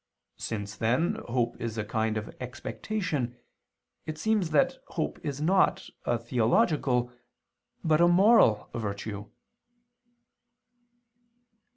Since, then, hope is a kind of expectation, it seems that hope is not a theological, but a moral virtue.